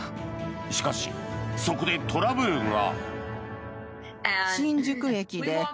しかし、そこでトラブルが。